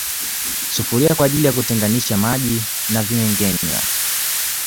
Sufuria kwaajili ya kuteganisha maji na vimengenywa